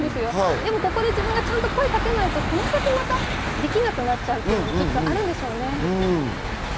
でも自分が声をかけないとこの先またできなくなっちゃうというのもあるんでしょうね。